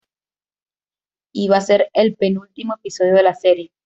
Iba a ser el penúltimo episodio de la serie.